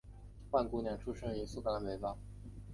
万姑娘出生于苏格兰北方。